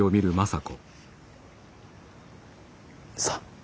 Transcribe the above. さあ。